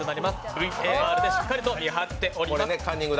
ＶＡＲでしっかりと見張っております。